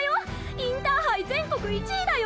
インターハイ全国１位だよ？